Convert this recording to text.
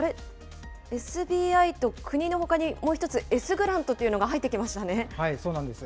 ＳＢＩと国のほかに、もう一つ、エスグラントというのが入っそうなんです。